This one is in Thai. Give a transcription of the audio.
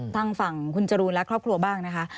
ทางฝั่งคุณจรูนและครอบครัวบ้างนะคะ